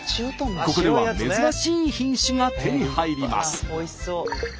ここでは珍しい品種が手に入ります。